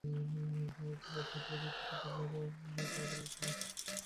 তবে তথ্যপ্রযুক্তি খাতের কথা বিবেচনা করলে তিনিই বিশ্বের দ্বিতীয় শীর্ষ ধনী।